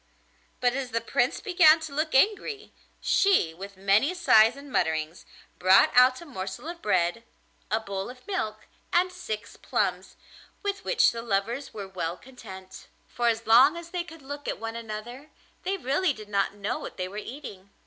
But as the Prince began to look angry, she, with many sighs and mutterings, brought out a morsel of bread, a bowl of milk, and six plums, with which the lovers were well content: for as long as they could look at one another they really did not know what they were eating.